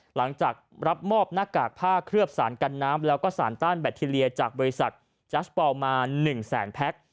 หลังจากรับมอบหน้ากากผ้าเคลือบสารกันน้ำแล้วก็สารต้านแบคทีเรียจากบริษัทจัสปอลมา๑แสนแพ็ค